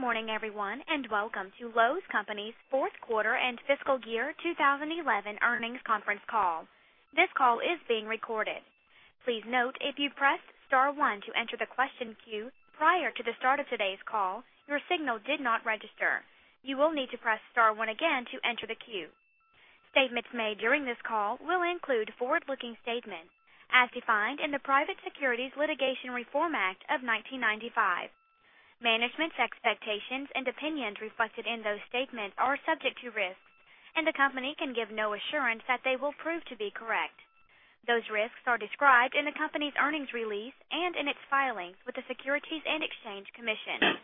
Good morning, everyone, and welcome to Lowe's Companies Fourth Quarter and Fiscal Year 2011 Earnings Conference Call. This call is being recorded. Please note if you pressed Star, one to enter the question queue prior to the start of today's call, your signal did not register. You will need to press Star, one again to enter the queue. Statements made during this call will include forward-looking statements as defined in the Private Securities Litigation Reform Act of 1995. Management's expectations and opinions reflected in those statements are subject to risks, and the company can give no assurance that they will prove to be correct. Those risks are described in the company's earnings release and in its filings with the Securities and Exchange Commission.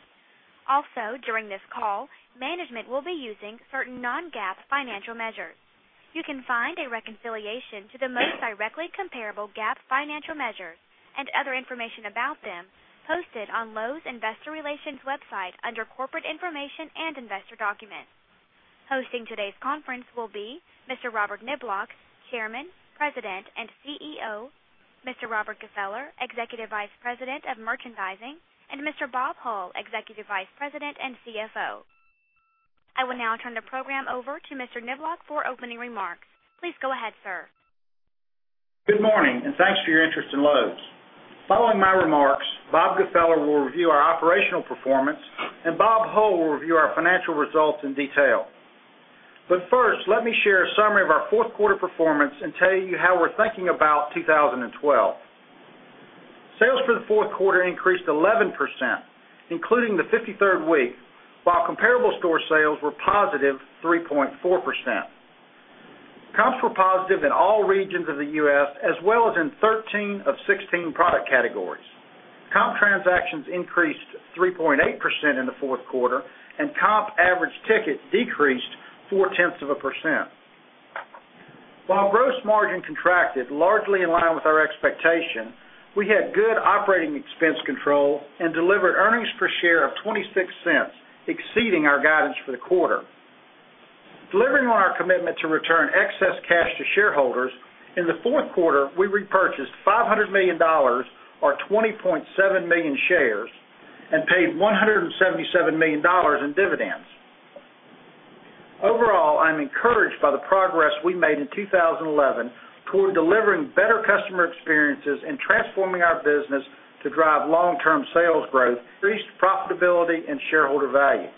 Also, during this call, management will be using certain non-GAAP financial measures. You can find a reconciliation to the most directly comparable GAAP financial measures and other information about them posted on Lowe's Investor Relations website under Corporate Information and Investor Documents. Hosting today's conference will be Mr. Robert Niblock, Chairman, President, and CEO; Mr. Robert Gfeller, Executive Vice President of Merchandising; and Mr. Bob Hull, Executive Vice President and CFO. I will now turn the program over to Mr. Niblock for opening remarks. Please go ahead, sir. Good morning, and thanks for your interest in Lowe's. Following my remark, Robert Gfeller will review our operational performance, and Bob Hull will review our financial results in detail. First, let me share a summary of our fourth quarter performance and tell you how we're thinking about 2012. Sales for the fourth quarter increased 11%, including the 53rd week, while comparable store sales were positive 3.4%. Comps were positive in all regions of the U.S., as well as in 13 of 16 product categories. Comp transactions increased 3.8% in the fourth quarter, and comp average tickets decreased 0.4%. While gross margin contracted largely in line with our expectation, we had good operating expense control and delivered earnings per share of $0.26, exceeding our guidance for the quarter. Delivering on our commitment to return excess cash to shareholders, in the fourth quarter, we repurchased $500 million, or 20.7 million shares, and paid $177 million in dividends. Overall, I'm encouraged by the progress we made in 2011 toward delivering better customer experiences and transforming our business to drive long-term sales growth, increased profitability, and shareholder value.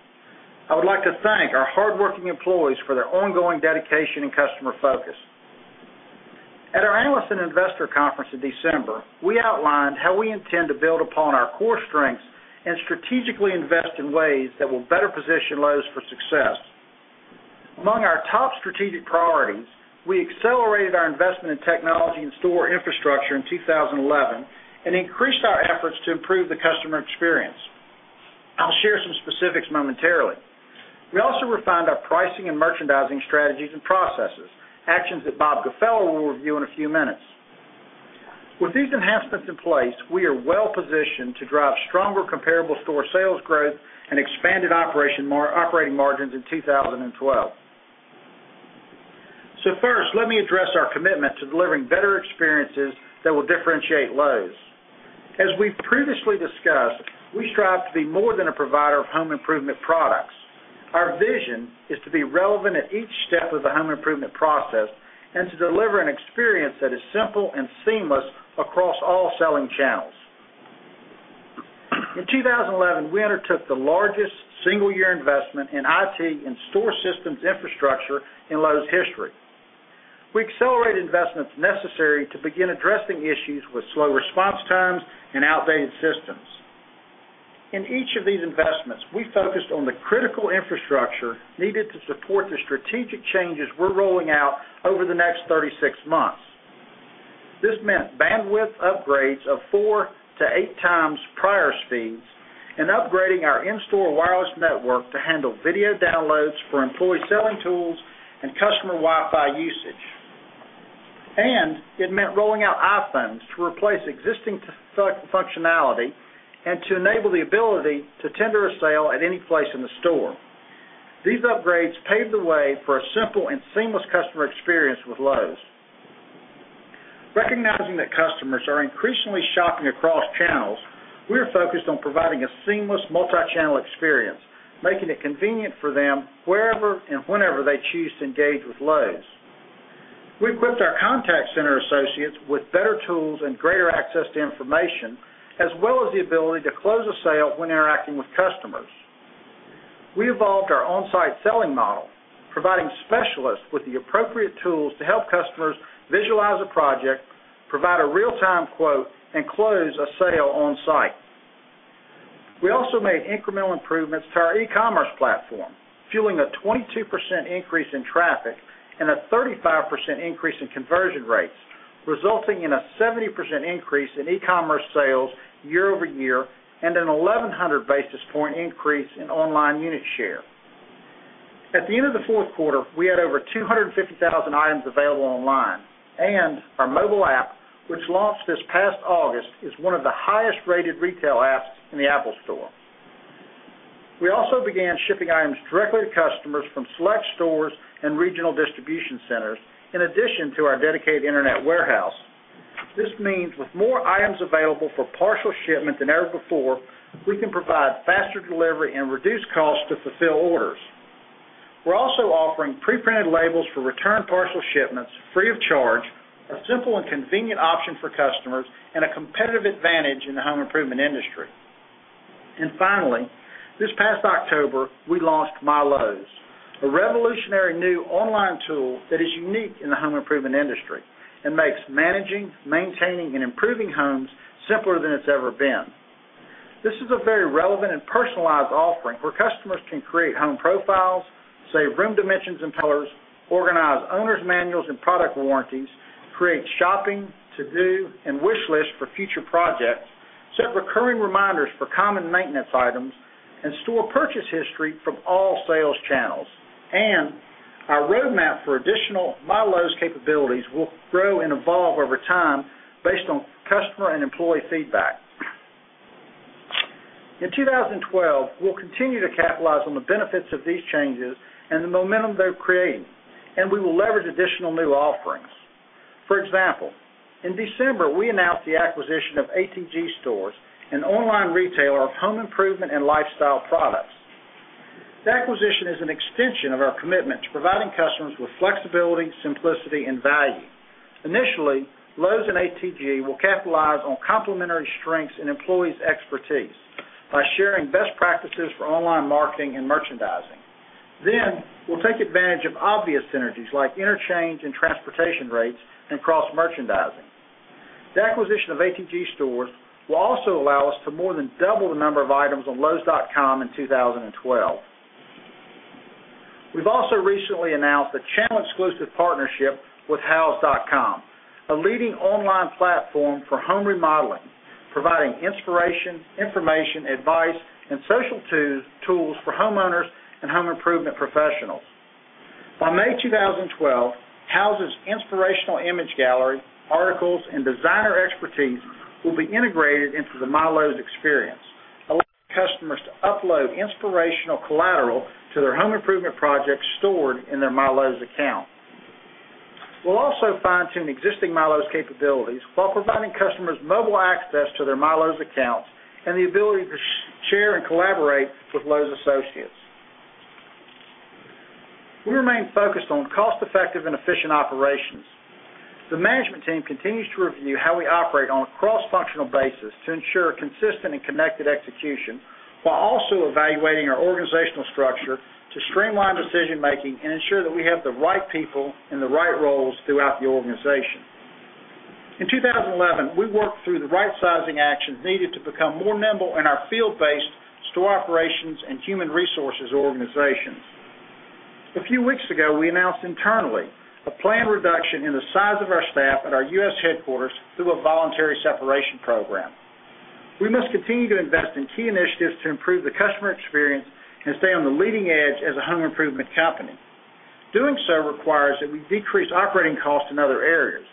I would like to thank our hardworking employees for their ongoing dedication and customer focus. At our analysts and investor conference in December, we outlined how we intend to build upon our core strengths and strategically invest in ways that will better position Lowe's for success. Among our top strategic priorities, we accelerated our investment in technology and store infrastructure in 2011 and increased our efforts to improve the customer experience. I'll share some specifics momentarily. We also refined our pricing and merchandising strategies and processes, actions that Robert Gfeller will review in a few minutes. With these enhancements in place, we are well-positioned to drive stronger comparable store sales growth and expanded operating margins in 2012. First, let me address our commitment to delivering better experiences that will differentiate Lowe's. As we've previously discussed, we strive to be more than a provider of home improvement products. Our vision is to be relevant at each step of the home improvement process and to deliver an experience that is simple and seamless across all selling channels. In 2011, we undertook the largest single-year investment in IT and store systems infrastructure in Lowe's history. We accelerated investments necessary to begin addressing issues with slow response times and outdated systems. In each of these investments, we focused on the critical infrastructure needed to support the strategic changes we're rolling out over the next 36 months. This meant bandwidth upgrades of four to 8x prior speeds and upgrading our in-store wireless network to handle video downloads for employee selling tools and customer Wi-Fi usage. It meant rolling out iPhones to replace existing functionality and to enable the ability to tender a sale at any place in the store. These upgrades paved the way for a simple and seamless customer experience with Lowe's. Recognizing that customers are increasingly shopping across channels, we are focused on providing a seamless multi-channel experience, making it convenient for them wherever and whenever they choose to engage with Lowe's. We equipped our contact center associates with better tools and greater access to information, as well as the ability to close a sale when interacting with customers. We evolved our on-site selling model, providing specialists with the appropriate tools to help customers visualize a project, provide a real-time quote, and close a sale on-site. We also made incremental improvements to our e-commerce platform, fueling a 22% increase in traffic and a 35% increase in conversion rates, resulting in a 70% increase in e-commerce sales year-over-year and a 1,100 basis point increase in online unit share. At the end of the fourth quarter, we had over 250,000 items available online, and our mobile app, which launched this past August, is one of the highest-rated retail apps in the Apple Store. We also began shipping items directly to customers from select stores and regional distribution centers, in addition to our dedicated internet warehouse. This means with more items available for partial shipment than ever before, we can provide faster delivery and reduce costs to fulfill orders. We're also offering pre-printed labels for returned partial shipments free of charge, a simple and convenient option for customers, and a competitive advantage in the home improvement industry. Finally, this past October, we launched MyLowe's, a revolutionary new online tool that is unique in the home improvement industry and makes managing, maintaining, and improving homes simpler than it's ever been. This is a very relevant and personalized offering where customers can create home profiles, save room dimensions and colors, organize owner's manuals and product warranties, create shopping to-do and wish lists for future projects, set recurring reminders for common maintenance items, and store purchase history from all sales channels. Our roadmap for additional MyLowe's capabilities will grow and evolve over time based on customer and employee feedback. In 2012, we'll continue to capitalize on the benefits of these changes and the momentum they're creating, and we will leverage additional new offerings. For example, in December, we announced the acquisition of ATG Stores, an online retailer of home improvement and lifestyle products. The acquisition is an extension of our commitment to providing customers with flexibility, simplicity, and value. Initially, Lowe's and ATG will capitalize on complementary strengths and employees' expertise by sharing best practices for online marketing and merchandising. We will take advantage of obvious synergies like interchange and transportation rates and cross-merchandising. The acquisition of ATG Stores will also allow us to more than double the number of items on Lowes.com in 2012. We've also recently announced a channel-exclusive partnership with houzz.com, a leading online platform for home remodeling, providing inspiration, information, advice, and social tools for homeowners and home improvement professionals. By May 2012, Houzz's inspirational image gallery, articles, and designer expertise will be integrated into the MyLowe's experience, helping customers to upload inspirational collateral to their home improvement projects stored in their MyLowe's account. We'll also fine-tune existing MyLowe's capabilities while providing customers mobile access to their MyLowe's accounts and the ability to share and collaborate with Lowe's associates. We remain focused on cost-effective and efficient operations. The management team continues to review how we operate on a cross-functional basis to ensure consistent and connected execution, while also evaluating our organizational structure to streamline decision-making and ensure that we have the right people in the right roles throughout the organization. In 2011, we worked through the right sizing actions needed to become more nimble in our field-based store operations and human resources organizations. A few weeks ago, we announced internally a planned reduction in the size of our staff at our U.S. headquarters through a voluntary separation program. We must continue to invest in key initiatives to improve the customer experience and stay on the leading edge as a home improvement company. Doing so requires that we decrease operating costs in other areas.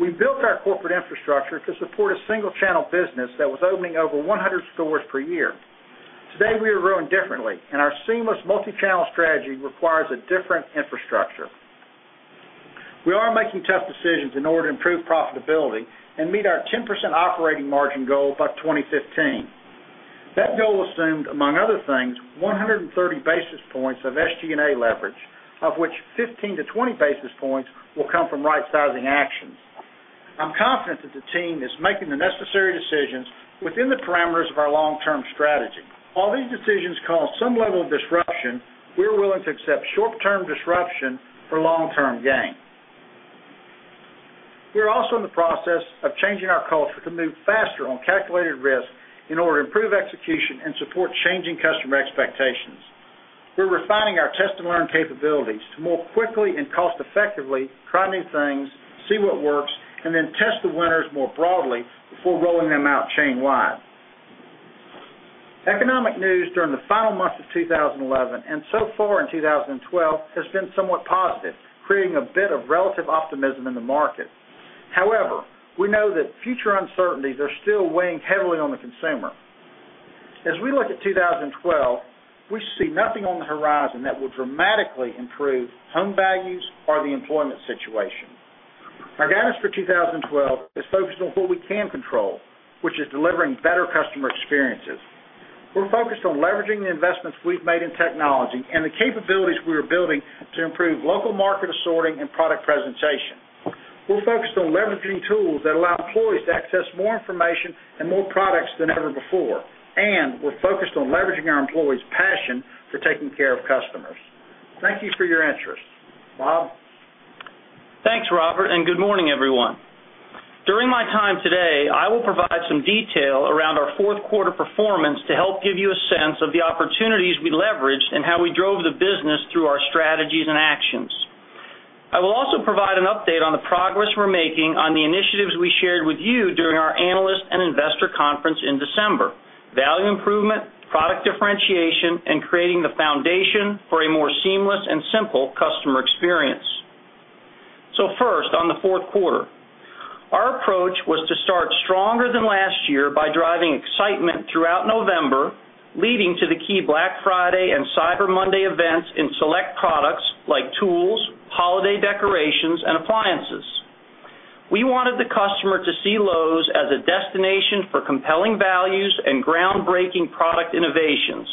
We built our corporate infrastructure to support a single-channel business that was opening over 100 stores per year. Today, we are growing differently, and our seamless multi-channel strategy requires a different infrastructure. We are making tough decisions in order to improve profitability and meet our 10% operating margin goal by 2015. That goal assumed, among other things, 130 basis points of SG&A leverage, of which 15-20 basis points will come from right sizing actions. I'm confident that the team is making the necessary decisions within the parameters of our long-term strategy. While these decisions cause some level of disruption, we are willing to accept short-term disruption for long-term gain. We are also in the process of changing our culture to move faster on calculated risk in order to improve execution and support changing customer expectations. We're refining our test and learn capabilities to more quickly and cost-effectively try new things, see what works, and then test the winners more broadly before rolling them out chain-wide. Economic news during the final months of 2011 and so far in 2012 has been somewhat positive, creating a bit of relative optimism in the market. However, we know that future uncertainties are still weighing heavily on the consumer. As we look at 2012, we see nothing on the horizon that will dramatically improve home values or the employment situation. Our guidance for 2012 is focused on what we can control, which is delivering better customer experiences. We're focused on leveraging the investments we've made in technology and the capabilities we are building to improve local market assorting and product presentation. We're focused on leveraging tools that allow employees to access more information and more products than ever before, and we're focused on leveraging our employees' passion for taking care of customers. Thank you for your interest. Rob. Thanks, Robert, and good morning, everyone. During my time today, I will provide some detail around our fourth quarter performance to help give you a sense of the opportunities we leveraged and how we drove the business through our strategies and actions. I will also provide an update on the progress we're making on the initiatives we shared with you during our analyst and investor conference in December: value improvement, product differentiation, and creating the foundation for a more seamless and simple customer experience. First, on the fourth quarter, our approach was to start stronger than last year by driving excitement throughout November, leading to the key Black Friday and Cyber Monday events in select products like tools, holiday decorations, and appliances. We wanted the customer to see Lowe's as a destination for compelling values and groundbreaking product innovations,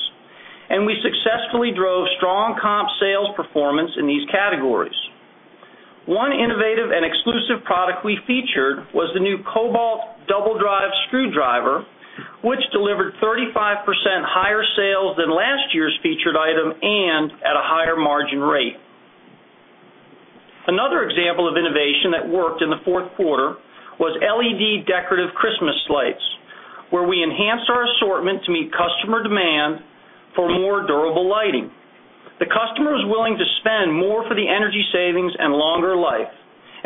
and we successfully drove strong comp sales performance in these categories. One innovative and exclusive product we featured was the new Kobalt Double-Drive Screwdriver, which delivered 35% higher sales than last year's featured item and at a higher margin rate. Another example of innovation that worked in the fourth quarter was LED decorative Christmas lights, where we enhanced our assortment to meet customer demand for more durable lighting. The customer is willing to spend more for the energy savings and longer life,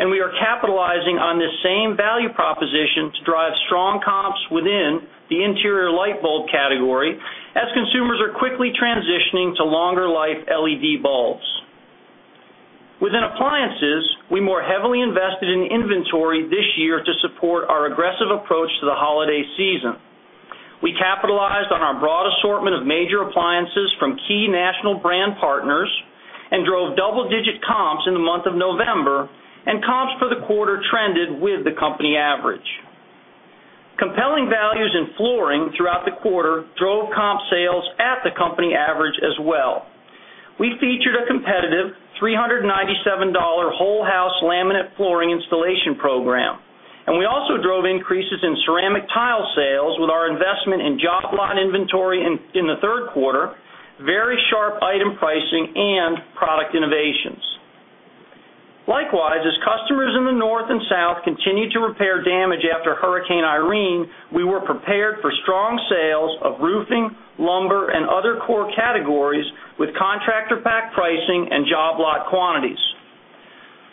and we are capitalizing on this same value proposition to drive strong comps within the interior light bulb category, as consumers are quickly transitioning to longer-life LED bulbs. Within appliances, we more heavily invested in inventory this year to support our aggressive approach to the holiday season. We capitalized on our broad assortment of major appliances from key national brand partners and drove double-digit comps in the month of November, and comps for the quarter trended with the company average. Compelling values in flooring throughout the quarter drove comp sales at the company average as well. We featured a competitive $397 whole-house laminate flooring installation program, and we also drove increases in ceramic tile sales with our investment in job lot inventory in the third quarter, very sharp item pricing, and product innovations. Likewise, as customers in the North and South continue to repair damage after Hurricane Irene, we were prepared for strong sales of roofing, lumber, and other core categories with contractor-packed pricing and job lot quantities.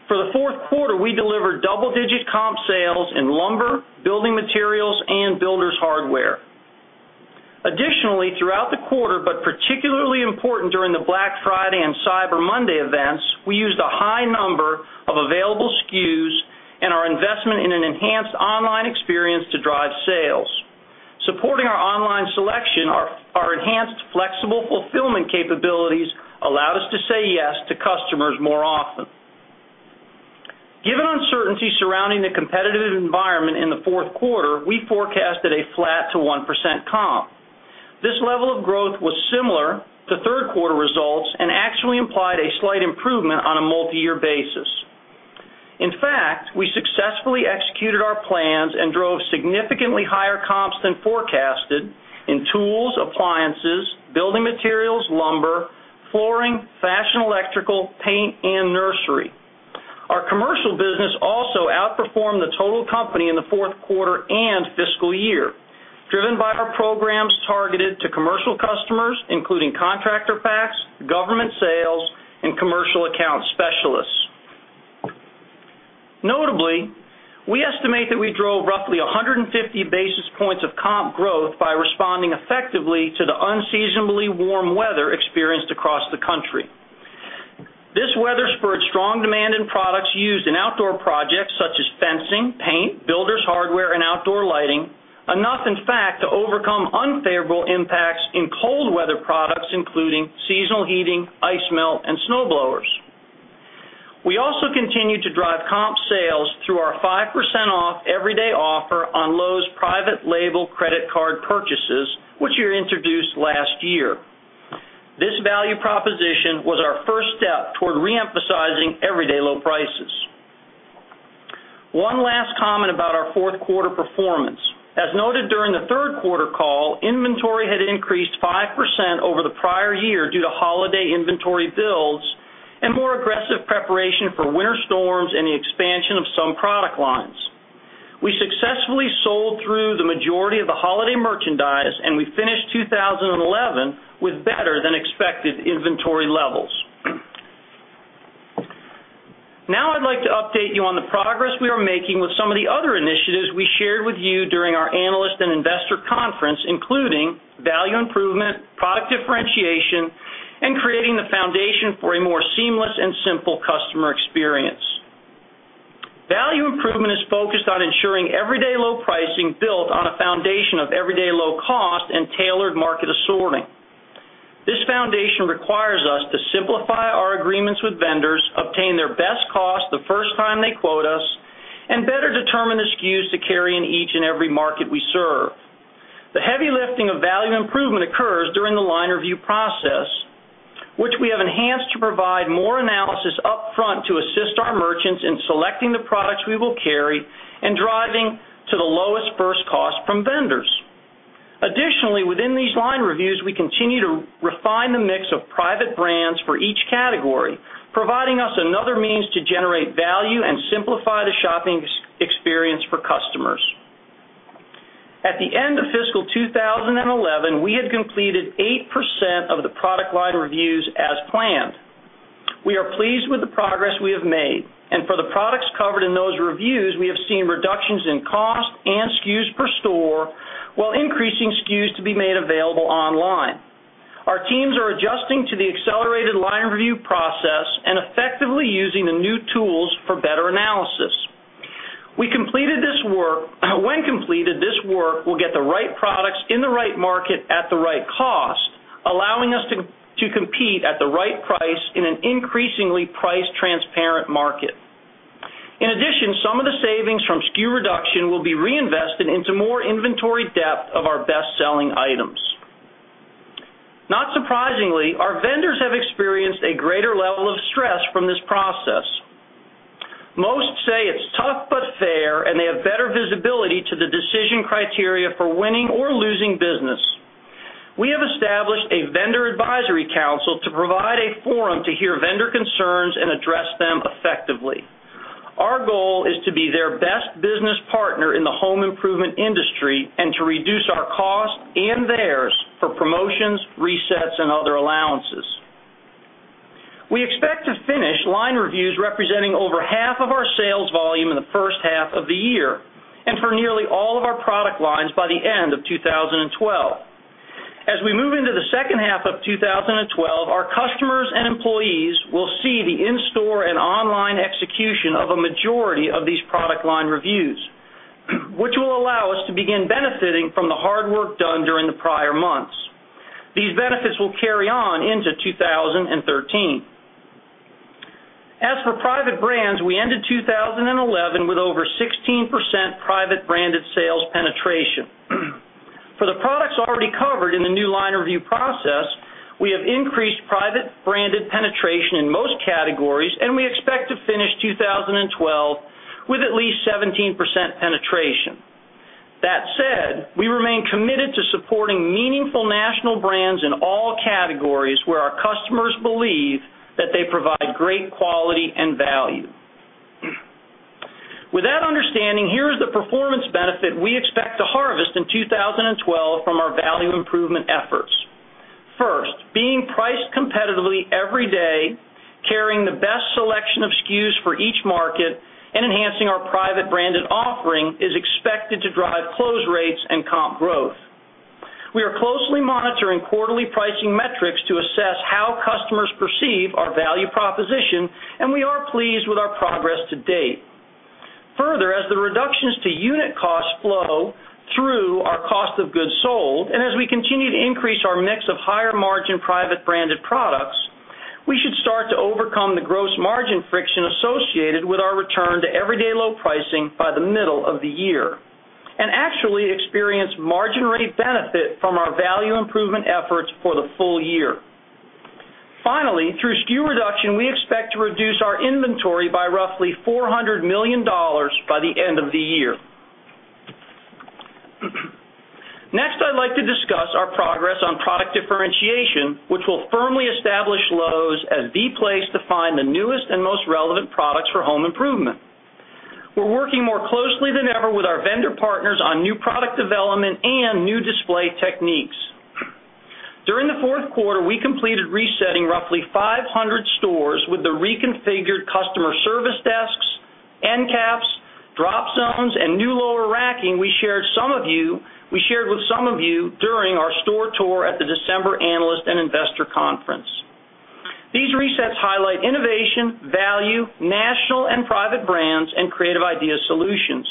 For the fourth quarter, we delivered double-digit comp sales in lumber, building materials, and builders' hardware. Additionally, throughout the quarter, but particularly important during the Black Friday and Cyber Monday events, we used a high number of available SKUs and our investment in an enhanced online experience to drive sales. Supporting our online selection, our enhanced flexible fulfillment capabilities allowed us to say yes to customers more often. Given uncertainty surrounding the competitive environment in the fourth quarter, we forecasted a flat to 1% comp. This level of growth was similar to third-quarter results and actually implied a slight improvement on a multi-year basis. In fact, we successfully executed our plans and drove significantly higher comps than forecasted in tools, appliances, building materials, lumber, flooring, fashion electrical, paint, and nursery. Our commercial business also outperformed the total company in the fourth quarter and fiscal year, driven by our programs targeted to commercial customers, including contractor packs, government sales, and commercial account specialists. Notably, we estimate that we drove roughly 150 basis points of comp growth by responding effectively to the unseasonably warm weather experienced across the country. This weather spurred strong demand in products used in outdoor projects such as fencing, paint, builders' hardware, and outdoor lighting, enough, in fact, to overcome unfavorable impacts in cold-weather products, including seasonal heating, ice melt, and snow blowers. We also continue to drive comp sales through our 5% off everyday offer on Lowe's private label credit card purchases, which we introduced last year. This value proposition was our first step toward re-emphasizing everyday Lowe prices. One last comment about our fourth quarter performance. As noted during the third quarter call, inventory had increased 5% over the prior year due to holiday inventory builds and more aggressive preparation for winter storms and the expansion of some product lines. We successfully sold through the majority of the holiday merchandise, and we finished 2011 with better than expected inventory levels. Now I'd like to update you on the progress we are making with some of the other initiatives we shared with you during our analyst and investor conference, including value improvement, product differentiation, and creating the foundation for a more seamless and simple customer experience. Value improvement is focused on ensuring everyday Lowe's pricing built on a foundation of everyday Lowe's cost and tailored market assorting. This foundation requires us to simplify our agreements with vendors, obtain their best cost the first time they quote us, and better determine the SKUs to carry in each and every market we serve. The heavy lifting of value improvement occurs during the line review process, which we have enhanced to provide more analysis upfront to assist our merchants in selecting the products we will carry and driving to the lowest first cost from vendors. Additionally, within these line reviews, we continue to refine the mix of private brands for each category, providing us another means to generate value and simplify the shopping experience for customers. At the end of fiscal 2011, we had completed 8% of the product line reviews as planned. We are pleased with the progress we have made, and for the products covered in those reviews, we have seen reductions in cost and SKUs per store, while increasing SKUs to be made available online. Our teams are adjusting to the accelerated line review process and effectively using the new tools for better analysis. We completed this work. When completed this work, we'll get the right products in the right market at the right cost, allowing us to compete at the right price in an increasingly price-transparent market. In addition, some of the savings from SKU reduction will be reinvested into more inventory depth of our best-selling items. Not surprisingly, our vendors have experienced a greater level of stress from this process. Most say it's tough but fair, and they have better visibility to the decision criteria for winning or losing business. We have established a vendor advisory council to provide a forum to hear vendor concerns and address them effectively. Our goal is to be their best business partner in the home improvement industry and to reduce our costs and theirs for promotions, resets, and other allowances. We expect to finish line reviews representing over half of our sales volume in the first half of the year and for nearly all of our product lines by the end of 2012. As we move into the second half of 2012, our customers and employees will see the in-store and online execution of a majority of these product line reviews, which will allow us to begin benefiting from the hard work done during the prior months. These benefits will carry on into 2013. As for private brands, we ended 2011 with over 16% private branded sales penetration. For the products already covered in the new line review process, we have increased private branded penetration in most categories, and we expect to finish 2012 with at least 17% penetration. That said, we remain committed to supporting meaningful national brands in all categories where our customers believe that they provide great quality and value. With that understanding, here is the performance benefit we expect to harvest in 2012 from our value improvement efforts. First, being priced competitively every day, carrying the best selection of SKUs for each market, and enhancing our private branded offering is expected to drive close rates and comp growth. We are closely monitoring quarterly pricing metrics to assess how customers perceive our value proposition, and we are pleased with our progress to date. Further, as the reductions to unit costs flow through our cost of goods sold, and as we continue to increase our mix of higher margin private branded products, we should start to overcome the gross margin friction associated with our return to everyday Lowe's pricing by the middle of the year and actually experience margin rate benefit from our value improvement efforts for the full year. Finally, through SKU reduction, we expect to reduce our inventory by roughly $400 million by the end of the year. Next, I'd like to discuss our progress on product differentiation, which will firmly establish Lowe's as the place to find the newest and most relevant products for home improvement. We're working more closely than ever with our vendor partners on new product development and new display techniques. During the fourth quarter, we completed resetting roughly 500 stores with the reconfigured customer service desks, end caps, drop zones, and new lower racking we shared with some of you during our store tour at the December analyst and investor conference. These resets highlight innovation, value, national and private brands, and creative ideas solutions.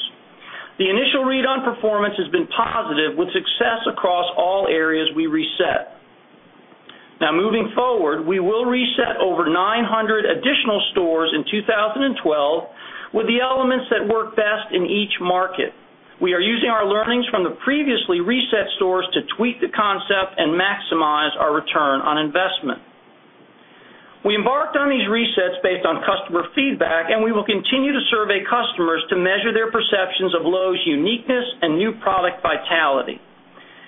The initial read-on performance has been positive with success across all areas we reset. Now, moving forward, we will reset over 900 additional stores in 2012 with the elements that work best in each market. We are using our learnings from the previously reset stores to tweak the concept and maximize our return on investment. We embarked on these resets based on customer feedback, and we will continue to survey customers to measure their perceptions of Lowe's uniqueness and new product vitality.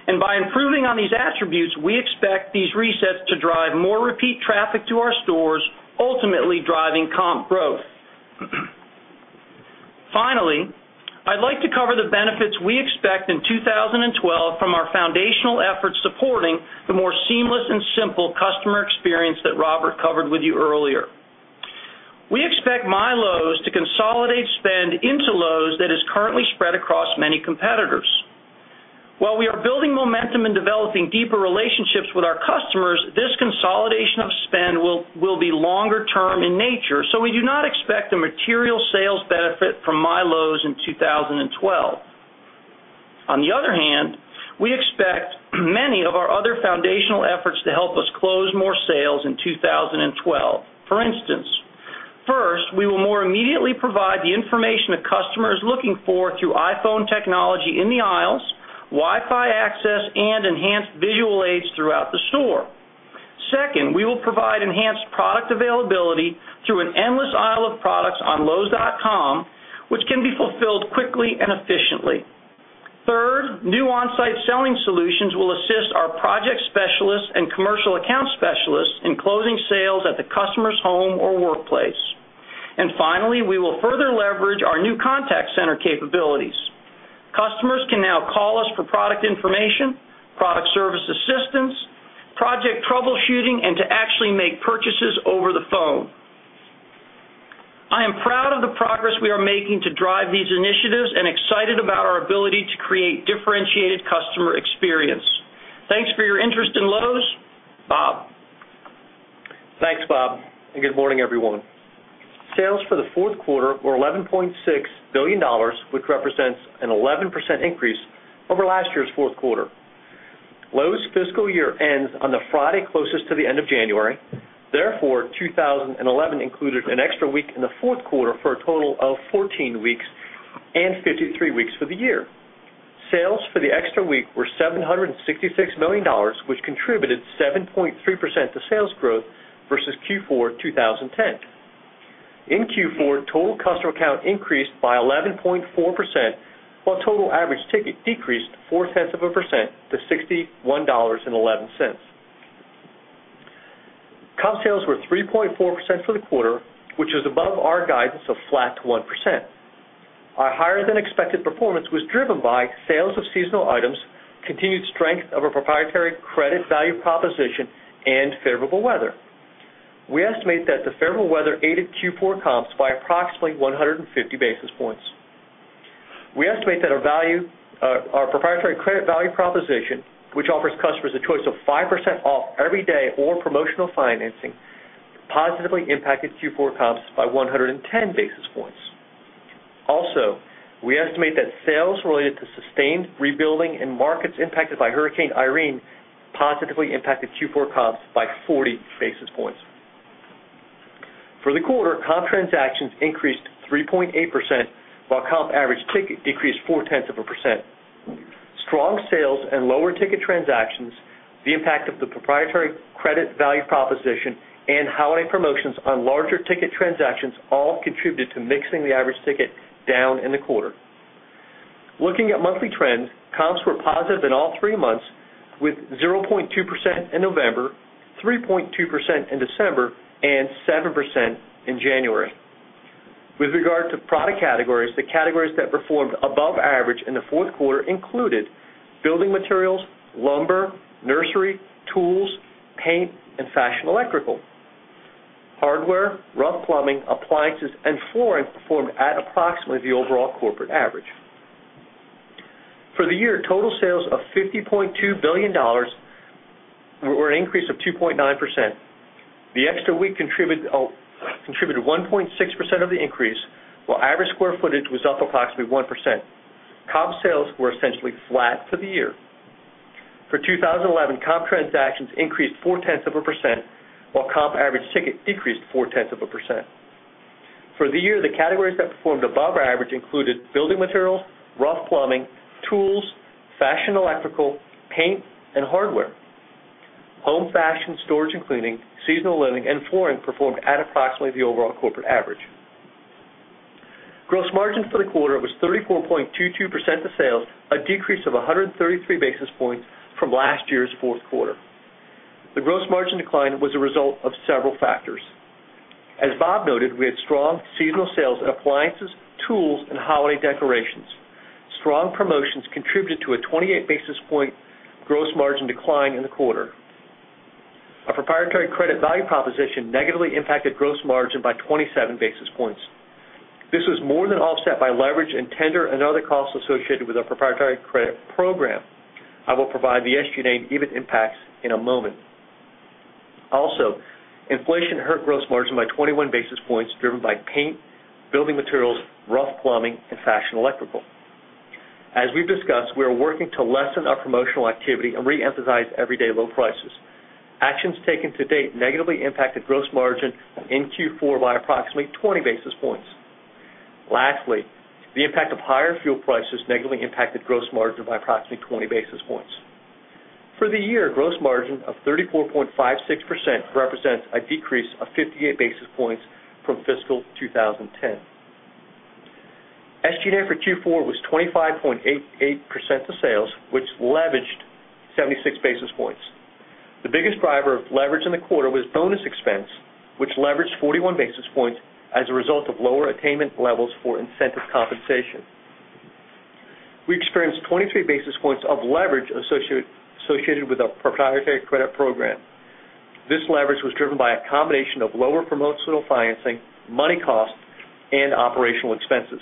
By improving on these attributes, we expect these resets to drive more repeat traffic to our stores, ultimately driving comp growth. Finally, I'd like to cover the benefits we expect in 2012 from our foundational efforts supporting the more seamless and simple customer experience that Robert covered with you earlier. We expect MyLowe's to consolidate spend into Lowe's that is currently spread across many competitors. While we are building momentum and developing deeper relationships with our customers, this consolidation of spend will be longer-term in nature, so we do not expect a material sales benefit from MyLowe's in 2012. On the other hand, we expect many of our other foundational efforts to help us close more sales in 2012. For instance, first, we will more immediately provide the information a customer is looking for through iPhone technology in the aisles, Wi-Fi access, and enhanced visual aids throughout the store. Second, we will provide enhanced product availability through an endless aisle of products on lowes.com, which can be fulfilled quickly and efficiently. Third, new on-site selling solutions will assist our project specialists and commercial account specialists in closing sales at the customer's home or workplace. Finally, we will further leverage our new contact center capabilities. Customers can now call us for product information, product service assistance, project troubleshooting, and to actually make purchases over the phone. I am proud of the progress we are making to drive these initiatives and excited about our ability to create differentiated customer experience. Thanks for your interest in Lowe's. Bob. Thanks, Bob, and good morning, everyone. Sales for the fourth quarter were $11.6 billion, which represents an 11% increase over last year's fourth quarter. Lowe's fiscal year ends on the Friday closest to the end of January. Therefore, 2011 included an extra week in the fourth quarter for a total of 14 weeks and 53 weeks for the year. Sales for the extra week were $766 million, which contributed 7.3% to sales growth versus Q4 2010. In Q4, total customer count increased by 11.4%, while total average ticket decreased 0.4% to $61.11. Comp sales were 3.4% for the quarter, which is above our guidance of flat to 1%. Our higher-than-expected performance was driven by sales of seasonal items, continued strength of a proprietary credit value proposition, and favorable weather. We estimate that the favorable weather aided Q4 comps by approximately 150 basis points. We estimate that our proprietary credit value proposition, which offers customers a choice of 5% off every day or promotional financing, positively impacted Q4 comps by 110 basis points. Also, we estimate that sales related to sustained rebuilding and markets impacted by Hurricane Irene positively impacted Q4 comps by 40 basis points. For the quarter, comp transactions increased 3.8%, while comp average ticket decreased 0.4%. Strong sales and lower ticket transactions, the impact of the proprietary credit value proposition, and holiday promotions on larger ticket transactions all contributed to mixing the average ticket down in the quarter. Looking at monthly trends, comps were positive in all three months, with 0.2% in November, 3.2% in December, and 7% in January. With regard to product categories, the categories that performed above average in the fourth quarter included building materials, lumber, nursery, tools, paint, and fashion electrical. Hardware, rough plumbing, appliances, and flooring performed at approximately the overall corporate average. For the year, total sales of $50.2 billion were an increase of 2.9%. The extra week contributed 1.6% of the increase, while average square footage was up approximately 1%. Comp sales were essentially flat for the year. For 2011, comp transactions increased 0.4%, while comp average ticket decreased 0.4%. For the year, the categories that performed above average included building materials, rough plumbing, tools, fashion electrical, paint, and hardware. Home fashion, storage and cleaning, seasonal living, and flooring performed at approximately the overall corporate average. Gross margin for the quarter was 34.22% of sales, a decrease of 133 basis points from last year's fourth quarter. The gross margin decline was a result of several factors. As Bob noted, we had strong seasonal sales in appliances, tools, and holiday decorations. Strong promotions contributed to a 28 basis point gross margin decline in the quarter. Our proprietary credit value proposition negatively impacted gross margin by 27 basis points. This was more than offset by leverage in tender and other costs associated with our proprietary credit program. I will provide the SG&A and EBIT impacts in a moment. Also, inflation hurt gross margin by 21 basis points, driven by paint, building materials, rough plumbing, and fashion electrical. As we've discussed, we are working to lessen our promotional activity and re-emphasize everyday Lowe's prices. Actions taken to date negatively impacted gross margin in Q4 by approximately 20 basis points. Lastly, the impact of higher fuel prices negatively impacted gross margin by approximately 20 basis points. For the year, gross margin of 34.56% represents a decrease of 58 basis points from fiscal 2010. SG&A for Q4 was 25.88% of sales, which leveraged 76 basis points. The biggest driver of leverage in the quarter was bonus expense, which leveraged 41 basis points as a result of lower attainment levels for incentive compensation. We experienced 23 basis points of leverage associated with our proprietary credit program. This leverage was driven by a combination of lower promotional financing, money costs, and operational expenses.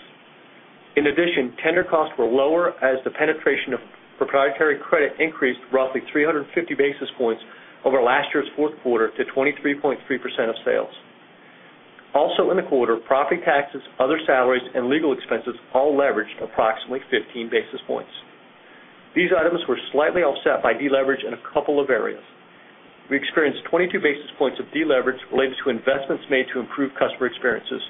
In addition, tender costs were lower as the penetration of proprietary credit increased roughly 350 basis points over last year's fourth quarter to 23.3% of sales. Also in the quarter, property taxes, other salaries, and legal expenses all leveraged approximately 15 basis points. These items were slightly offset by deleverage in a couple of areas. We experienced 22 basis points of deleverage related to investments made to improve customer experiences,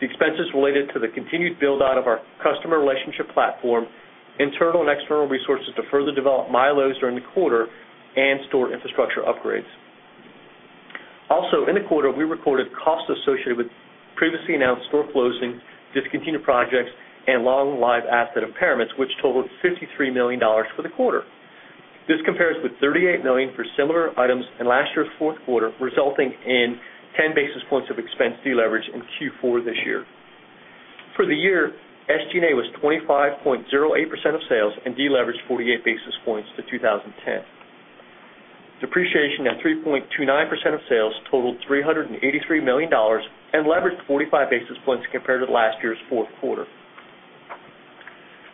the expenses related to the continued build-out of our customer relationship platform, internal and external resources to further develop MyLowe's during the quarter, and store infrastructure upgrades. Also, in the quarter, we recorded costs associated with previously announced store closings, discontinued projects, and long-lived asset impairments, which totaled $53 million for the quarter. This compares with $38 million for similar items in last year's fourth quarter, resulting in 10 basis points of expense deleverage in Q4 this year. For the year, SG&A was 25.08% of sales and deleveraged 48 basis points to 2010. Depreciation at 3.29% of sales totaled $383 million and leveraged 45 basis points compared to last year's fourth quarter.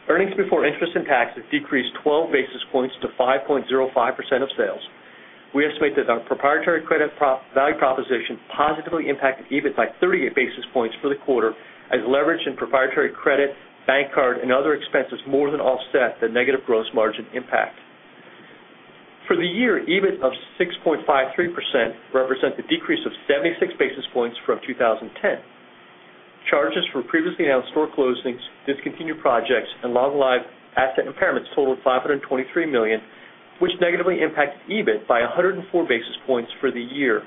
Earnings before interest and taxes decreased 12 basis points to 5.05% of sales. We estimate that our proprietary credit value proposition positively impacted EBIT by 38 basis points for the quarter, as leverage in proprietary credit, bank card, and other expenses more than offset the negative gross margin impact. For the year, EBIT of 6.53% represents a decrease of 76 basis points from 2010. Charges for previously announced store closings, discontinued projects, and long-lived asset impairments totaled $523 million, which negatively impacted EBIT by 104 basis points for the year.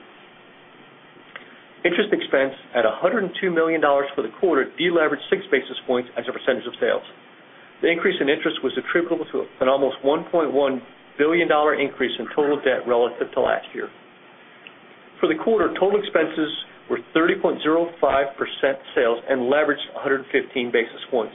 Interest expense at $102 million for the quarter deleveraged 6 basis points as a percentage of sales. The increase in interest was attributable to an almost $1.1 billion increase in total debt relative to last year. For the quarter, total expenses were 30.05% of sales and leveraged 115 basis points.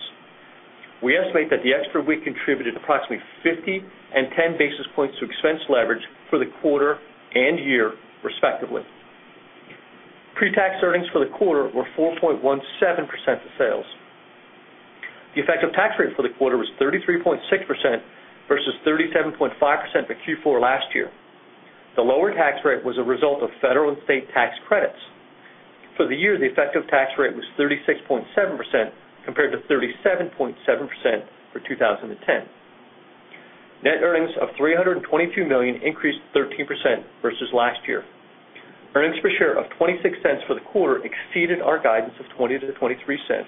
We estimate that the extra week contributed approximately 50 and 10 basis points to expense leverage for the quarter and year, respectively. Pre-tax earnings for the quarter were 4.17% of sales. The effective tax rate for the quarter was 33.6% versus 37.5% for Q4 last year. The lower tax rate was a result of federal and state tax credits. For the year, the effective tax rate was 36.7% compared to 37.7% for 2010. Net earnings of $322 million increased 13% versus last year. Earnings per share of $0.26 for the quarter exceeded our guidance of $0.20-$0.23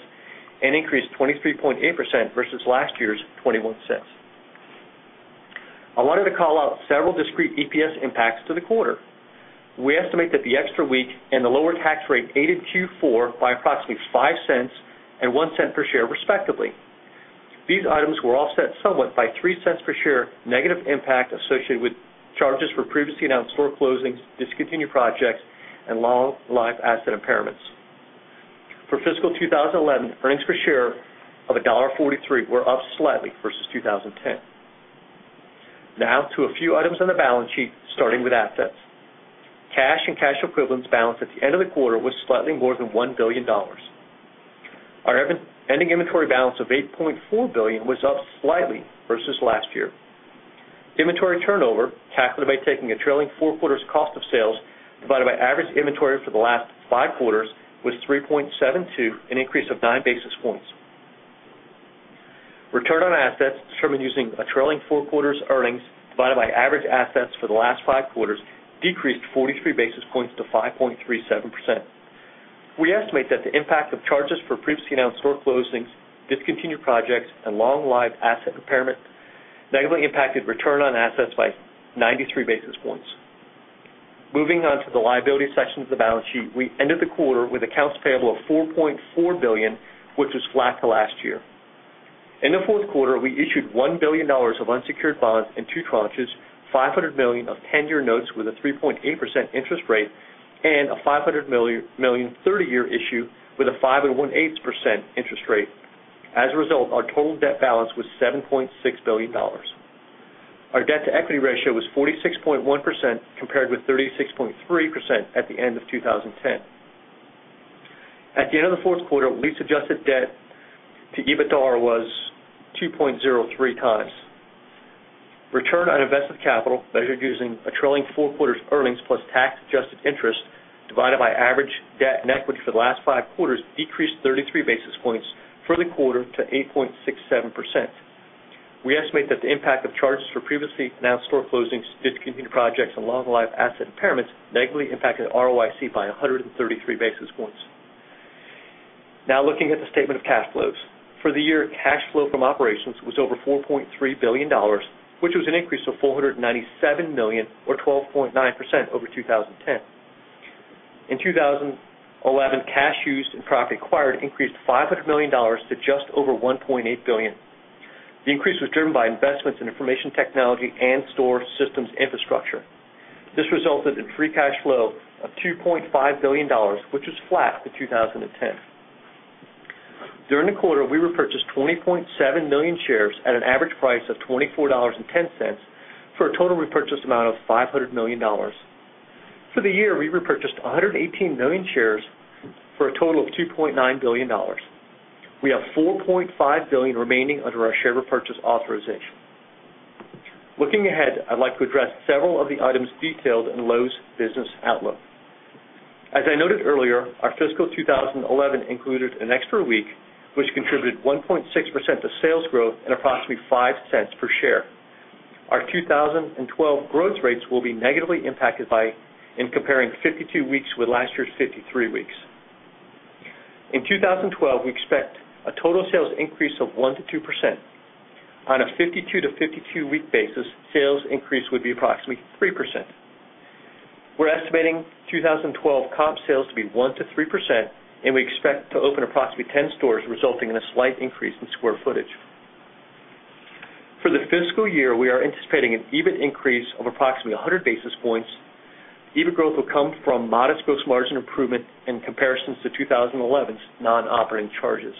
and increased 23.8% versus last year's $0.21. I wanted to call out several discrete EPS impacts to the quarter. We estimate that the extra week and the lower tax rate aided Q4 by approximately $0.05 and $0.01 per share, respectively. These items were offset somewhat by $0.03 per share negative impact associated with charges for previously announced store closings, discontinued projects, and long-lived asset impairments. For fiscal 2011, earnings per share of $1.43 were up slightly versus 2010. Now to a few items on the balance sheet, starting with assets. Cash and cash equivalents balance at the end of the quarter was slightly more than $1 billion. Our ending inventory balance of $8.4 billion was up slightly versus last year. Inventory turnover, calculated by taking a trailing four quarters cost of sales divided by average inventory for the last five quarters, was 3.72, an increase of 9 basis points. Return on assets determined using a trailing four quarters earnings divided by average assets for the last five quarters decreased 43 basis points to 5.37%. We estimate that the impact of charges for previously announced store closings, discontinued projects, and long-lived asset impairment negatively impacted return on assets by 93 basis points. Moving on to the liability section of the balance sheet, we ended the quarter with accounts payable of $4.4 billion, which was flat to last year. In the fourth quarter, we issued $1 billion of unsecured bonds in two tranches, $500 million of 10-year notes with a 3.8% interest rate, and a $500 million 30-year issue with a 5.18% interest rate. As a result, our total debt balance was $7.6 billion. Our debt-to-equity ratio was 46.1% compared with 36.3% at the end of 2010. At the end of the fourth quarter, lease-adjusted debt to EBITDA was 2.03x. Return on invested capital, measured using a trailing four quarters earnings plus tax-adjusted interest divided by average debt and equity for the last five quarters, decreased 33 basis points for the quarter to 8.67%. We estimate that the impact of charges for previously announced store closings, discontinued projects, and long-lived asset impairments negatively impacted ROIC by 133 basis points. Now looking at the statement of cash flows. For the year, cash flow from operations was over $4.3 billion, which was an increase of $497 million, or 12.9% over 2010. In 2011, cash used in property acquired increased $500 million to just over $1.8 billion. The increase was driven by investments in information technology and store systems infrastructure. This resulted in free cash flow of $2.5 billion, which was flat to 2010. During the quarter, we repurchased 20.7 million shares at an average price of $24.10 for a total repurchase amount of $500 million. For the year, we repurchased 118 million shares for a total of $2.9 billion. We have $4.5 billion remaining under our share repurchase authorization. Looking ahead, I'd like to address several of the items detailed in Lowe's business outlook. As I noted earlier, our fiscal 2011 included an extra week, which contributed 1.6% to sales growth and approximately $0.05 per share. Our 2012 growth rates will be negatively impacted by comparing 52 weeks with last year's 53 weeks. In 2012, we expect a total sales increase of 1%-2%. On a 52-52-week basis, sales increase would be approximately 3%. We're estimating 2012 comp sales to be 1%-3%, and we expect to open approximately 10 stores, resulting in a slight increase in square footage. For the fiscal year, we are anticipating an EBIT increase of approximately 100 basis points. EBIT growth will come from modest gross margin improvement in comparison to 2011's non-operating charges.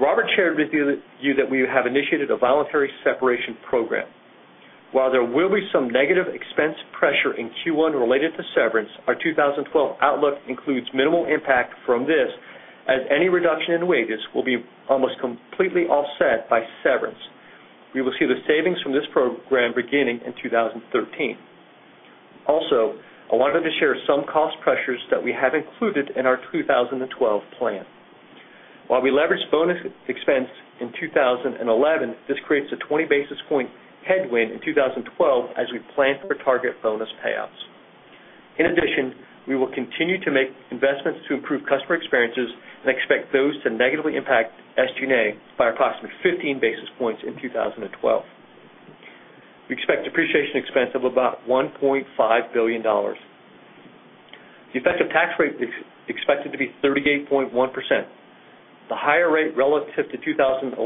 Robert shared with you that we have initiated a voluntary separation program. While there will be some negative expense pressure in Q1 related to severance, our 2012 outlook includes minimal impact from this, as any reduction in wages will be almost completely offset by severance. We will see the savings from this program beginning in 2013. Also, I wanted to share some cost pressures that we have included in our 2012 plan. While we leveraged bonus expense in 2011, this creates a 20 basis point headwind in 2012, as we plan for target bonus payouts. In addition, we will continue to make investments to improve customer experiences and expect those to negatively impact SG&A by approximately 15 basis points in 2012. We expect depreciation expense of about $1.5 billion. The effective tax rate is expected to be 38.1%. The higher rate relative to 2011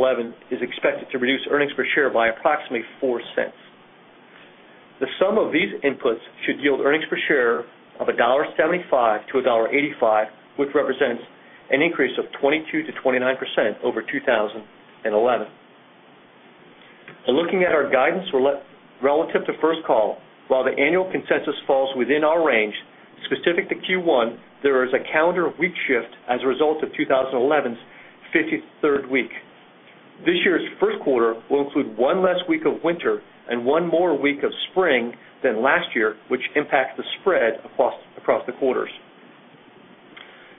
is expected to reduce earnings per share by approximately $0.04. The sum of these inputs should yield earnings per share of $1.75-$1.85, which represents an increase of 22%-29% over 2011. Looking at our guidance relative to first call, while the annual consensus falls within our range, specific to Q1, there is a calendar of week shift as a result of 2011's 53rd week. This year's first quarter will include one less week of winter and one more week of spring than last year, which impacts the spread across the quarters.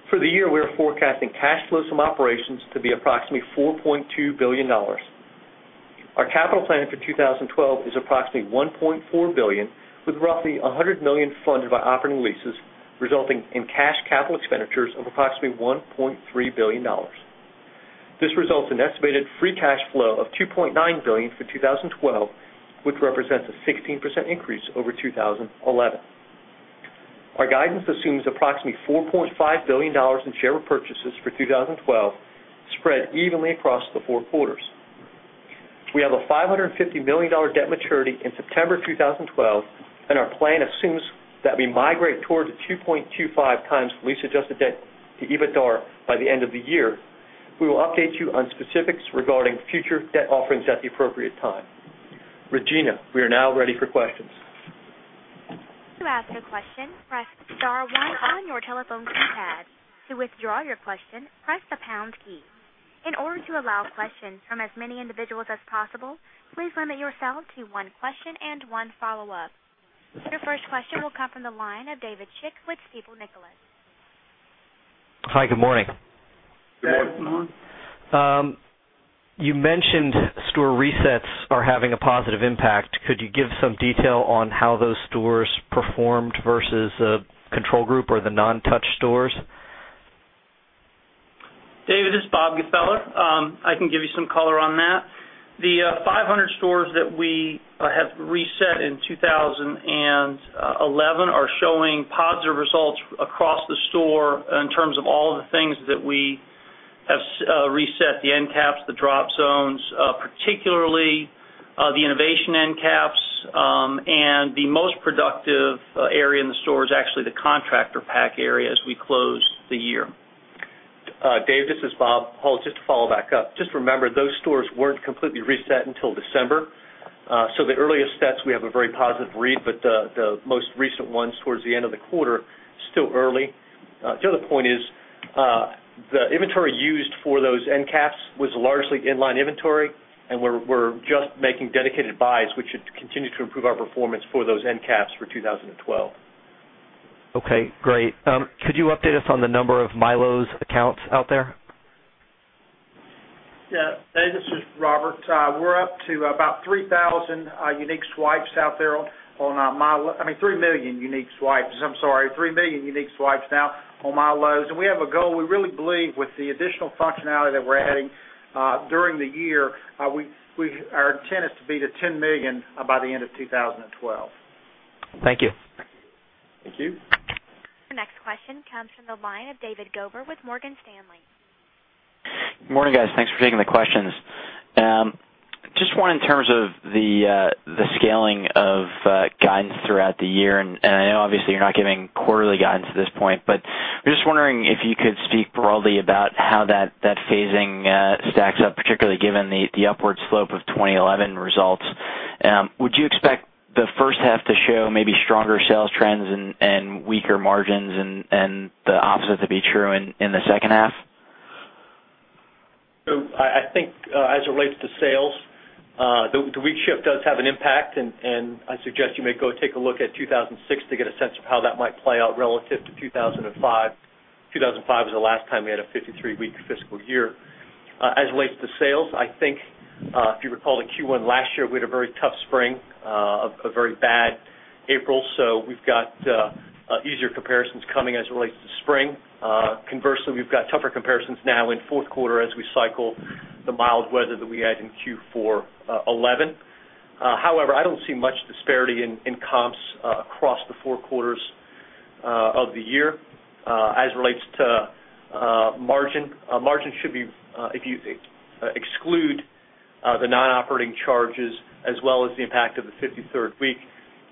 For the year, we are forecasting cash flows from operations to be approximately $4.2 billion. Our capital plan for 2012 is approximately $1.4 billion, with roughly $100 million funded by operating leases, resulting in cash capital expenditures of approximately $1.3 billion. This results in an estimated free cash flow of $2.9 billion for 2012, which represents a 16% increase over 2011. Our guidance assumes approximately $4.5 billion in share repurchases for 2012 spread evenly across the four quarters. We have a $550 million debt maturity in September of 2012, and our plan assumes that we migrate toward the 2.25x lease adjusted debt to EBITDA by the end of the year. We will update you on specifics regarding future debt offerings at the appropriate time. Regina, we are now ready for questions. To ask a question, press Star, one on your telephone keypad. To withdraw your question, press the pound key. In order to allow questions from as many individuals as possible, please limit yourself to one question and one follow-up. Your first question will come from the line of David Schick with Stifel, Nicolaus Hi, good morning. You mentioned store resets are having a positive impact. Could you give some detail on how those stores performed versus a control group or the non-touch stores? David, this is Robert Gfeller. I can give you some color on that. The 500 stores that we have reset in 2011 are showing positive results across the store in terms of all the things that we have reset: the end caps, the drop zones, particularly the innovation end caps. The most productive area in the store is actually the contractor pack area as we close the year. David, this is Bob Hull. Just to follow back up, just remember those stores weren't completely reset until December. The earliest sets, we have a very positive read, but the most recent ones towards the end of the quarter, still early. The other point is the inventory used for those end caps was largely inline inventory, and we're just making dedicated buys, which should continue to improve our performance for those end caps for 2012. Okay, great. Could you update us on the number of MyLowe's accounts out there? Yeah, this is Robert. We're up to about three million unique swipes out there on MyLowe's. We have a goal we really believe with the additional functionality that we're adding during the year, our intent is to be to 10 million by the end of 2012. Thank you. Thank you. Our next question comes from the line of David Garber with Morgan Stanley. Good morning, guys. Thanks for taking the questions. Just one in terms of the scaling of guidance throughout the year. I know obviously you're not giving quarterly guidance at this point, but we're just wondering if you could speak broadly about how that phasing stacks up, particularly given the upward slope of 2011 results. Would you expect the first half to show maybe stronger sales trends and weaker margins, and the opposite to be true in the second half? I think as it relates to sales, the week shift does have an impact, and I suggest you may go take a look at 2006 to get a sense of how that might play out relative to 2005. 2005 was the last time we had a 53-week fiscal year. As it relates to sales, I think if you recall the Q1 last year, we had a very tough spring, a very bad April. We've got easier comparisons coming as it relates to spring. Conversely, we've got tougher comparisons now in the fourth quarter as we cycle the mild weather that we had in Q4 2011. However, I don't see much disparity in comps across the four quarters of the year as it relates to margin. Margin should be, if you exclude the non-operating charges as well as the impact of the 53rd week,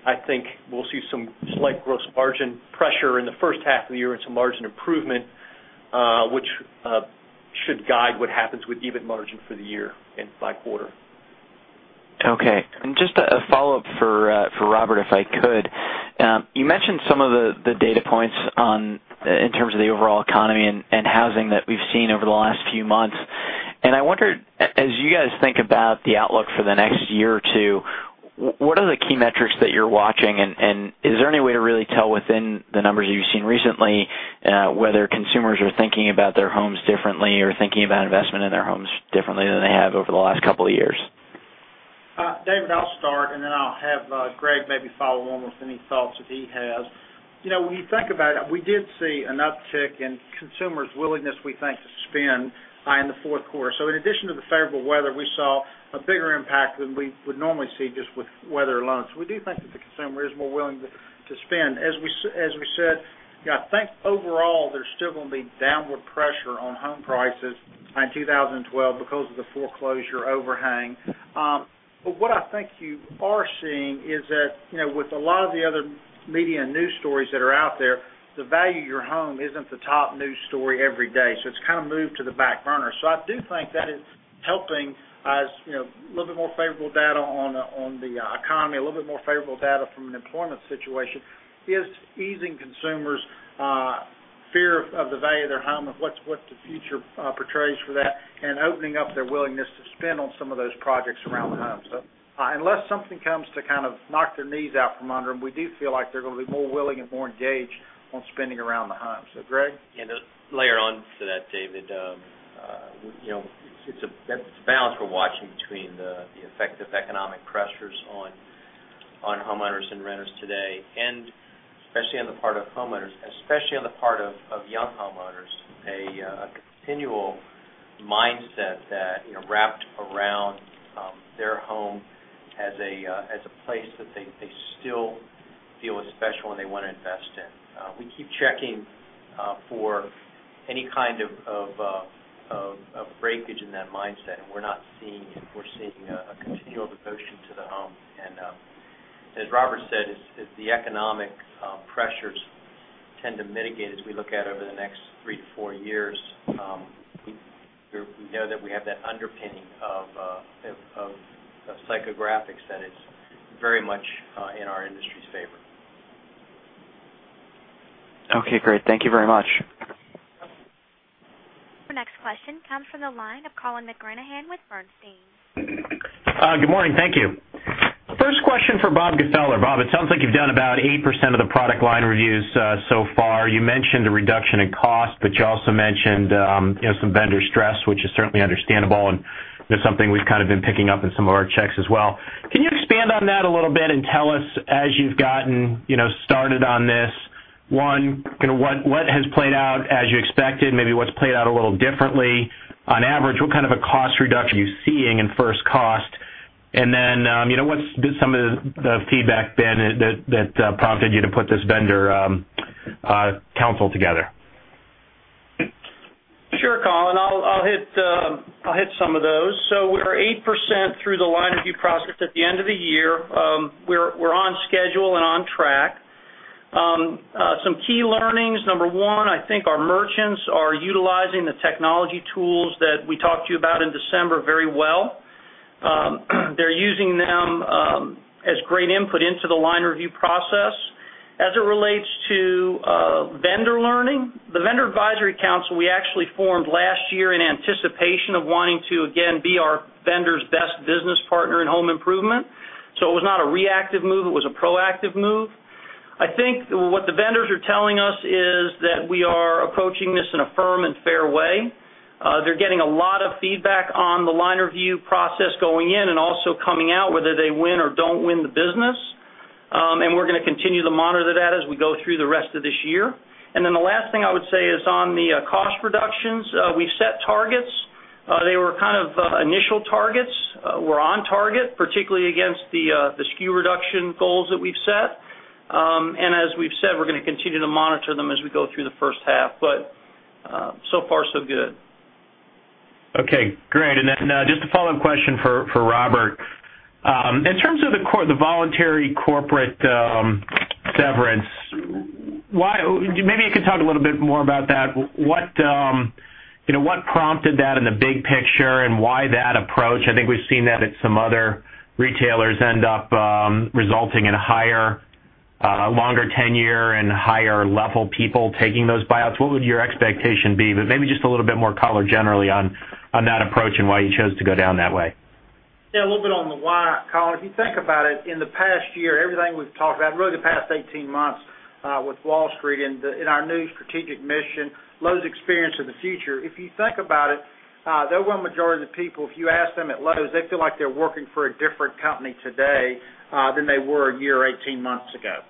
I think we'll see some slight gross margin pressure in the first half of the year and some margin improvement, which should guide what happens with EBIT margin for the year and by quarter. Okay. Just a follow-up for Robert, if I could. You mentioned some of the data points in terms of the overall economy and housing that we've seen over the last few months. I wondered, as you guys think about the outlook for the next year or two, what are the key metrics that you're watching? Is there any way to really tell within the numbers you've seen recently whether consumers are thinking about their homes differently or thinking about investment in their homes differently than they have over the last couple of years? David, I'll start, and then I'll have Greg maybe follow on with any thoughts that he has. You know, when you think about it, we did see an uptick in consumers' willingness, we think, to spend in the fourth quarter. In addition to the favorable weath`er, we saw a bigger impact than we would normally see just with weather alone. We do think that the consumer is more willing to spend. As we said, you know, I think overall there's still going to be downward pressure on home prices in 2012 because of the foreclosure overhang. What I think you are seeing is that, you know, with a lot of the other media and news stories that are out there, the value of your home isn't the top news story every day. It's kind of moved to the back burner. I do think that is helping as, you know, a little bit more favorable data on the economy, a little bit more favorable data from an employment situation is easing consumers' fear of the value of their home, of what the future portrays for that, and opening up their willingness to spend on some of those projects around the home. Unless something comes to kind of knock their knees out from under them, we do feel like they're going to be more willing and more engaged on spending around the home. Greg? Yeah, to layer on to that, David, it's a balance we're watching between the effect of economic pressures on homeowners and renters today, and especially on the part of homeowners, especially on the part of young homeowners, a continual mindset that, you know, wrapped around their home as a place that they still feel is special and they want to invest in. We keep checking for any kind of breakage in that mindset, and we're not seeing it. We're seeing a continual devotion to the home. As Robert said, the economic pressures tend to mitigate as we look at over the next three to four years. We know that we have that underpinning of psychographics that is very much in our industry's favor. Okay, great. Thank you very much. Our next question comes from the line of Colin McGranahan with Bernstein. Good morning. Thank you. First question for Bob Gfeller. Bob, it sounds like you've done about 8% of the product line reviews so far. You mentioned a reduction in cost, but you also mentioned some vendor stress, which is certainly understandable and is something we've kind of been picking up in some of our checks as well. Can you expand on that a little bit and tell us as you've gotten started on this, one, what has played out as you expected, maybe what's played out a little differently? On average, what kind of a cost reduction are you seeing in first cost? What's some of the feedback been that prompted you to put this vendor counsel together? Sure, Colin. I'll hit some of those. We're 8% through the line review process at the end of the year. We're on schedule and on track. Some key learnings: number one, I think our merchants are utilizing the technology tools that we talked to you about in December very well. They're using them as great input into the line review process. As it relates to vendor learning, the vendor advisory council we actually formed last year in anticipation of wanting to again be our vendors' best business partner in home improvement. It was not a reactive move. It was a proactive move. I think what the vendors are telling us is that we are approaching this in a firm and fair way. They're getting a lot of feedback on the line review process going in and also coming out, whether they win or don't win the business. We're going to continue to monitor that as we go through the rest of this year. The last thing I would say is on the cost reductions, we've set targets. They were kind of initial targets. We're on target, particularly against the SKU reduction goals that we've set. As we've said, we're going to continue to monitor them as we go through the first half. So far, so good. Okay, great. Just a follow-up question for Robert. In terms of the voluntary corporate severance, maybe you could talk a little bit more about that. What prompted that in the big picture and why that approach? I think we've seen that at some other retailers end up resulting in a higher, longer tenure and higher level people taking those buyouts. What would your expectation be? Maybe just a little bit more color generally on that approach and why you chose to go down that way. Yeah, a little bit on the why, Colin. If you think about it, in the past year, everything we've talked about, really the past 18 months with Wall Street and our new strategic mission, Lowe's experience in the future, if you think about it, the overall majority of the people, if you ask them at Lowe's, they feel like they're working for a different company today than they were a year or 18 months ago.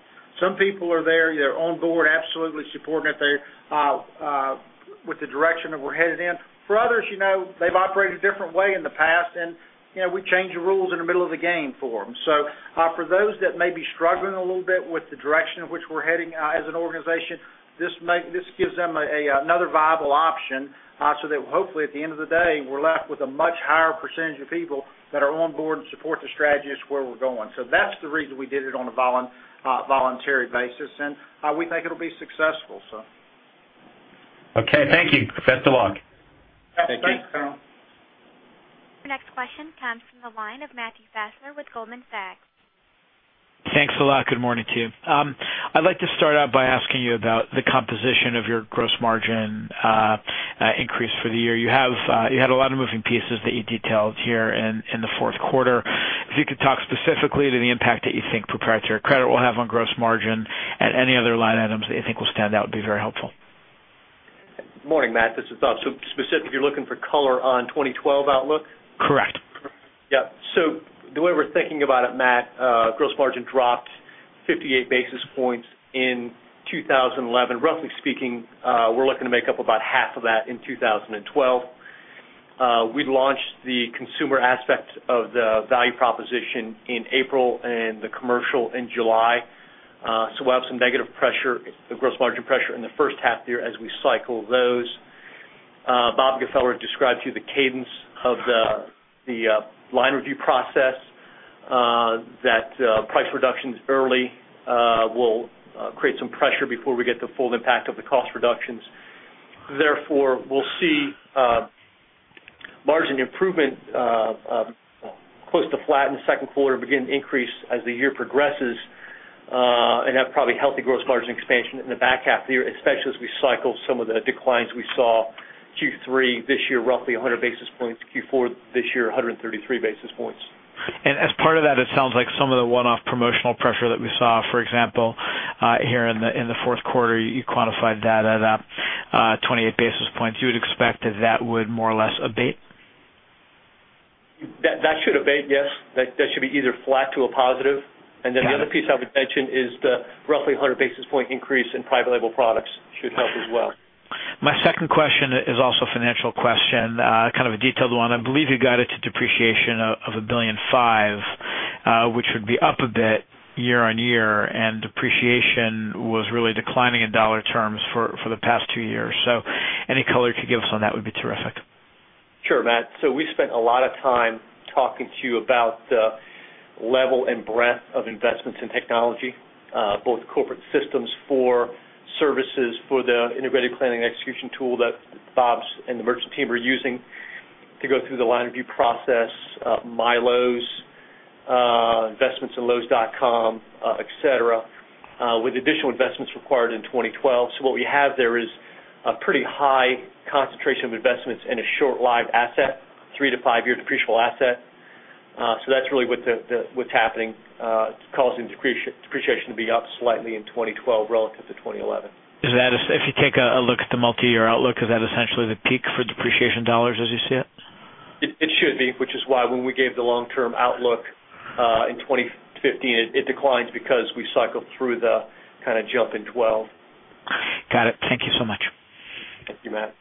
Some people are there, they're on board, absolutely supporting it, they're with the direction that we're headed in. For others, they've operated a different way in the past, and we change the rules in the middle of the game for them. For those that may be struggling a little bit with the direction in which we're heading as an organization, this gives them another viable option. Hopefully at the end of the day, we're left with a much higher percentage of people that are on board and support the strategies where we're going. That's the reason we did it on a voluntary basis, and we think it'll be successful. Okay, thank you. Best of luck. Thank you. Thanks, Colin. Our next question comes from the line of Matthew Fassler with Goldman Sachs. Thanks a lot. Good morning to you. I'd like to start out by asking you about the composition of your gross margin increase for the year. You had a lot of moving pieces that you detailed here in the fourth quarter. If you could talk specifically to the impact that you think proprietary credit will have on gross margin and any other line items that you think will stand out, it would be very helpful. Morning, Matt. This is Bob. Specifically, you're looking for color on 2012 outlook? Correct. Yeah. The way we're thinking about it, Matt, gross margin dropped 58 basis points in 2011. Roughly speaking, we're looking to make up about half of that in 2012. We launched the consumer aspect of the value proposition in April and the commercial in July. We'll have some negative pressure, gross margin pressure in the first half year as we cycle those. Bob Gfeller described to you the cadence of the line review process, that price reductions early will create some pressure before we get the full impact of the cost reductions. Therefore, we'll see margin improvement close to flat in the second quarter, begin to increase as the year progresses, and have probably healthy gross margin expansion in the back half of the year, especially as we cycle some of the declines we saw Q3 this year, roughly 100 basis points, Q4 this year, 133 basis points. As part of that, it sounds like some of the one-off promotional pressure that we saw, for example, here in the fourth quarter, you quantified that at 28 basis points. You would expect that that would more or less abate? That should abate, yes. That should be either flat to a positive. The other piece I would mention is the roughly 100 basis point increase in private brand penetration should help as well. My second question is also a financial question, kind of a detailed one. I believe you got it to depreciation of $1.5 billion, which would be up a bit year on year, and depreciation was really declining in dollar terms for the past two years. Any color to give us on that would be terrific. Sure, Matt. We spent a lot of time talking to you about the level and breadth of investments in technology, both corporate systems for services, for the integrated planning execution tool that Bob's and the merchant team are using to go through the line review process, MyLowe's, investments in lowes.com, etc., with additional investments required in 2012. What we have there is a pretty high concentration of investments in a short-lived asset, three to five-year depreciable asset. That's really what's happening, causing depreciation to be up slightly in 2012 relative to 2011. If you take a look at the multi-year outlook, is that essentially the peak for depreciation dollars as you see it? It should be, which is why when we gave the long-term outlook in 2015, it declined because we cycled through the kind of jump in 2012. Got it. Thank you so much. Thank you, Matt.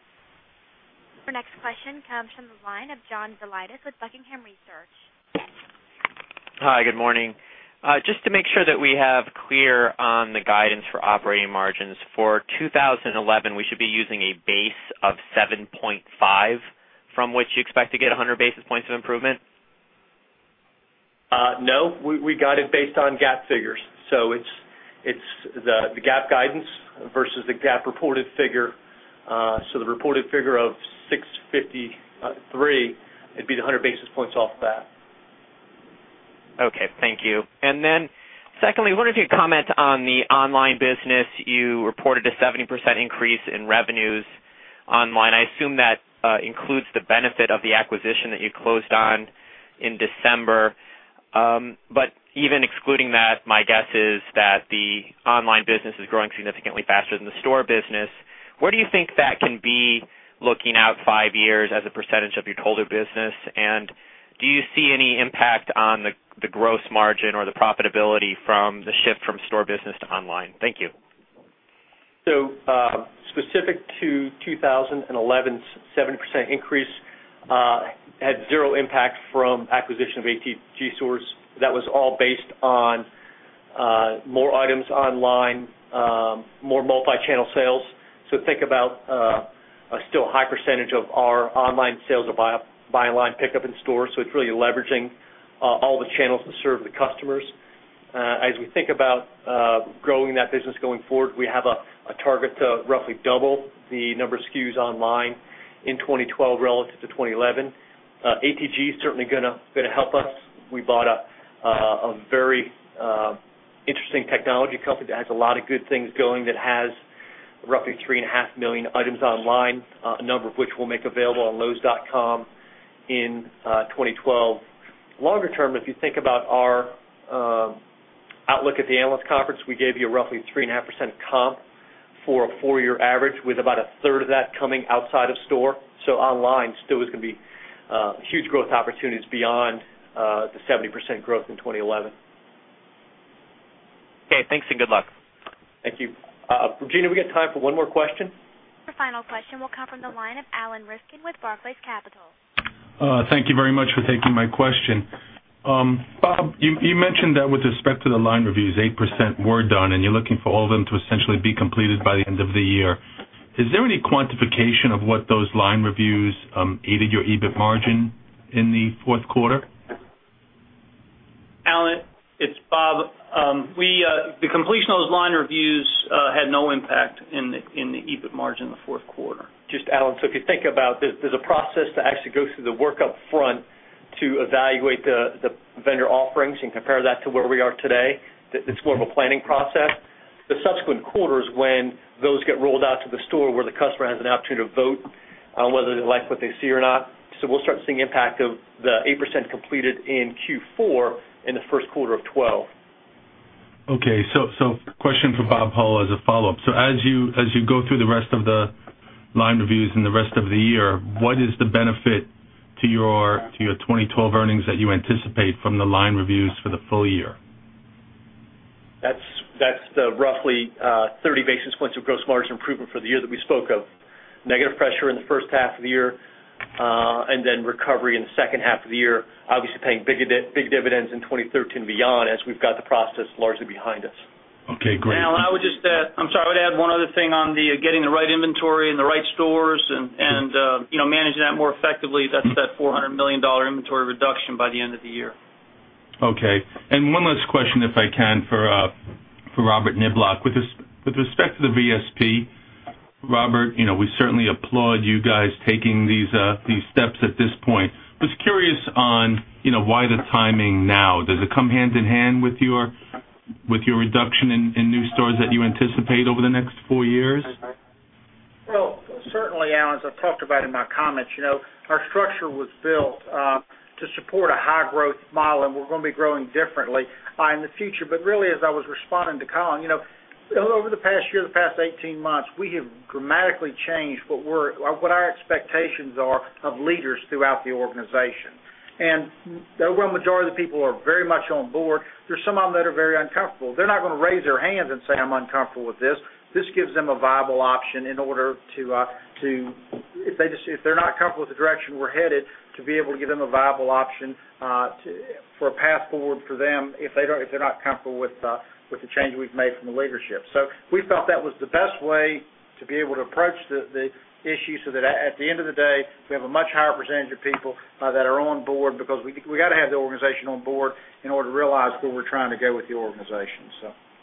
Our next question comes from the line of John DeLeitis with Buckingham Research. Hi, good morning. Just to make sure that we have clear on the guidance for operating margins, for 2011, we should be using a base of 7.5% from which you expect to get 100 basis points of improvement? No, we got it based on GAAP figures. It's the GAAP guidance versus the GAAP reported figure. The reported figure of $653, it'd be the 100 basis points off of that. Okay, thank you. Secondly, I wonder if you could comment on the online business. You reported a 70% increase in revenues online. I assume that includes the benefit of the acquisition that you closed on in December. Even excluding that, my guess is that the online business is growing significantly faster than the store business. Where do you think that can be looking out five years as a percentage of your total business? Do you see any impact on the gross margin or the profitability from the shift from store business to online? Thank you. Specific to 2011's 70% increase, there was zero impact from the acquisition of ATG Stores. That was all based on more items online and more multi-channel sales. A high percentage of our online sales are buying online, pickup in store. It is really leveraging all the channels to serve the customers. As we think about growing that business going forward, we have a target to roughly double the number of SKUs online in 2012 relative to 2011. ATG is certainly going to help us. We bought a very interesting technology company that has a lot of good things going, that has roughly 3.5 million items online, a number of which we'll make available on lowes.com in 2012. Longer term, if you think about our outlook at the analyst conference, we gave you a roughly 3.5% comp for a four-year average, with about a third of that coming outside of store. Online still is going to be huge growth opportunities beyond the 70% growth in 2011. Okay, thanks and good luck. Thank you. Regina, we have time for one more question. Our final question will come from the line of Alan Rifkin with Barclays Capital. Thank you very much for taking my question. Bob, you mentioned that with respect to the line reviews, 8% were done, and you're looking for all of them to essentially be completed by the end of the year. Is there any quantification of what those line reviews aided your EBIT margin in the fourth quarter? Alan, it's Bob. The completion of those line reviews had no impact in the EBIT margin in the fourth quarter. Alan, if you think about it, there's a process to actually go through the work upfront to evaluate the vendor offerings and compare that to where we are today. It's more of a planning process. The subsequent quarters, when those get rolled out to the store where the customer has an opportunity to vote on whether they like what they see or not, we'll start seeing the impact of the 8% completed in Q4 in the first quarter of 2012. Okay, question for Bob Hull as a follow-up. As you go through the rest of the line reviews in the rest of the year, what is the benefit to your 2012 earnings that you anticipate from the line reviews for the full year? That's the roughly 30 basis points of gross margin improvement for the year that we spoke of. Negative pressure in the first half of the year, and then recovery in the second half of the year, obviously paying big dividends in 2013 and beyond as we've got the process largely behind us. Okay, great. Alan, I would just add, I'm sorry, I would add one other thing on getting the right inventory in the right stores and managing that more effectively. That's that $400 million inventory reduction by the end of the year. Okay. One last question, if I can, for Robert Niblock. With respect to the voluntary separation program, Robert, we certainly applaud you guys taking these steps at this point. I was curious on why the timing now. Does it come hand in hand with your reduction in new stores that you anticipate over the next four years? As I've talked about in my comments, you know, our structure was built to support a high-growth model, and we're going to be growing differently in the future. As I was responding to Colin, over the past year, the past 18 months, we have dramatically changed what our expectations are of leaders throughout the organization. The overall majority of the people are very much on board. There are some of them that are very uncomfortable. They're not going to raise their hands and say, "I'm uncomfortable with this." This gives them a viable option in order to, if they're not comfortable with the direction we're headed, be able to give them a viable option for a path forward for them if they're not comfortable with the change we've made from the leadership. We felt that was the best way to be able to approach the issue so that at the end of the day, we have a much higher percentage of people that are on board because we have to have the organization on board in order to realize where we're trying to go with the organization.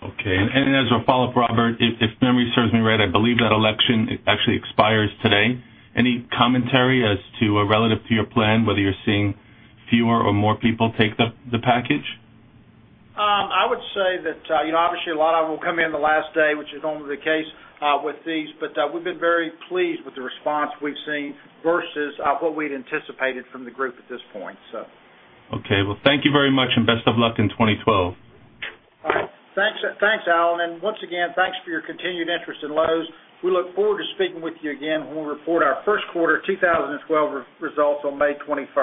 Okay. As a follow-up, Robert, if memory serves me right, I believe that election actually expires today. Any commentary as to, relative to your plan, whether you're seeing fewer or more people take the package? I would say that, you know, obviously a lot of them will come in the last day, which is normally the case with these, but we've been very pleased with the response we've seen versus what we had anticipated from the group at this point. Thank you very much, and best of luck in 2012. All right. Thanks, Alan. Thanks for your continued interest in Lowe's. We look forward to speaking with you again when we report our first quarter 2012 results on May 24.